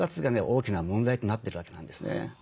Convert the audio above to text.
大きな問題となってるわけなんですね。